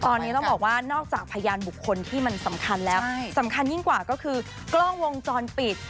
ตอนนี้ต้องบอกว่านอกจากพยานบุคคลที่มันสำคัญแล้วสำคัญยิ่งกว่าก็คือกล้องวงจรปิด